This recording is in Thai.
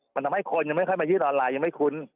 มันทำให้คนยังไม่ค่อยมายื่นออนไลน์ยังไม่คุ้น